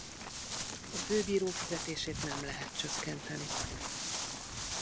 A főbíró fizetését nem lehet csökkenteni.